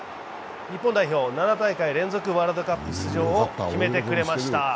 日本代表、７大会連続ワールドカップ出場を決めてくれました。